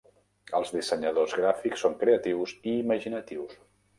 Els dissenyadors gràfics són creatius i imaginatius.